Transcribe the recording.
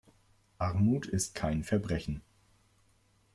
Armut ist kein Verbrechen.